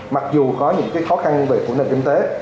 mặc dù có những cái khó khăn về khủng nền kinh tế